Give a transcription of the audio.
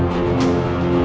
saya juga juga available